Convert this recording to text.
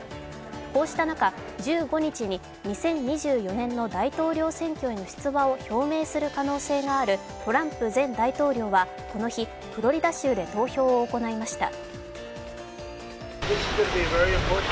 こうした中、１５日に２０２４年の大統領選挙への出馬を表明する可能性があるトランプ前大統領はこの日、フロリダ州で投票を行いました。